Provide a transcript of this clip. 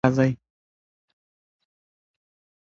د نورو تر اغیز لاندې مه راځئ.